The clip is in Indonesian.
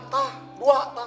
tidak dua tidak